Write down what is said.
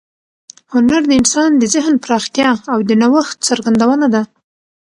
هنر د انسان د ذهن پراختیا او د نوښت څرګندونه ده.